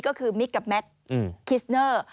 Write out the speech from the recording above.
ก็คือมิกกับแมทคิสเนอร์